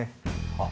あっ